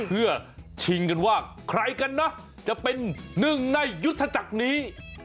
เพื่อชิงกันว่าใครกันนะจะเป็นหนึ่งในยุทธจักรนี้